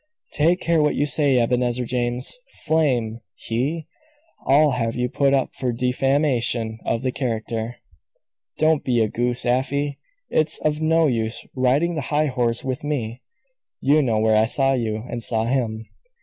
"Take care what you say, Ebenezer James! Flame! He? I'll have you put up for defamation of character." "Don't be a goose, Afy. It's of no use riding the high horse with me. You know where I saw you and saw him.